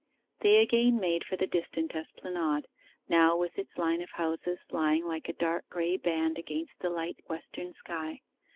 They again made for the distant Esplanade, now, with its line of houses, lying like a dark grey band against the light western sky.